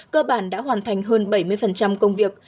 đường hoa đã hoàn thành hơn bảy mươi công việc